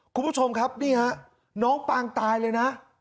คุณผู้ชมครับนี่ฮะน้องปางตายเลยนะ